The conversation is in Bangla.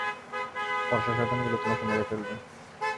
ফর্সা সয়তান গুলো তোমাকে মেরে ফেলবে।